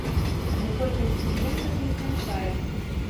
Але колькасць кліентак не змяншаецца.